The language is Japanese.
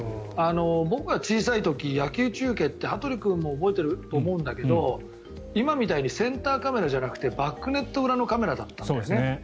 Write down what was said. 僕が小さい時、野球中継って羽鳥君も覚えていると思うけど今みたいにセンターカメラじゃなくてバックネット裏のカメラだったんですね。